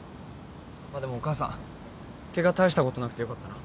まあでもお母さんケガ大したことなくてよかったな。